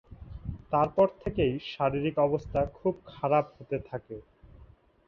তারপর থেকেই শারীরিক অবস্থা খুব খারাপ হতে থাকে।